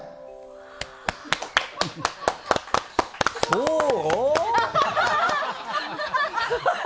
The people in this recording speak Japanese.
そう？